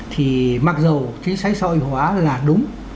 thì mặc dù chính sách sòi hóa là đúng